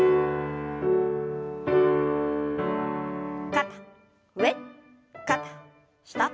肩上肩下。